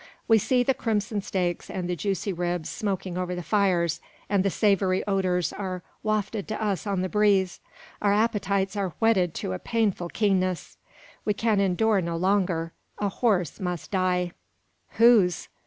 We see the crimson streaks and the juicy ribs smoking over the fires, and the savoury odours are wafted to us on the breeze. Our appetites are whetted to a painful keenness. We can endure no longer. A horse must die! Whose?